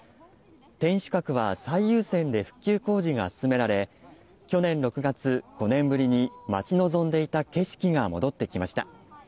天守閣は最優先で復旧工事が進められ、去年６月、５年ぶりに待ち望んでいた景色が戻ってきました。